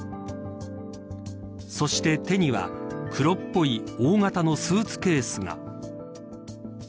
そして、手には黒っぽい大型のスーツケースが。